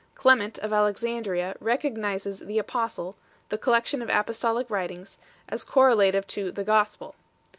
Clement of Alexandria recognizes "the Apostle " the collection of apostolic writings as correlative to "the Gospel 8